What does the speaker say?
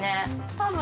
多分。